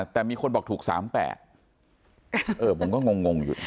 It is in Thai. แต่มีคนบอกถูก๓๘ผมก็งงอยู่